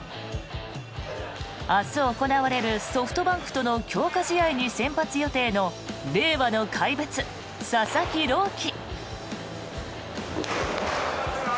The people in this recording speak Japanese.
明日行われるソフトバンクとの強化試合に先発予定の令和の怪物、佐々木朗希。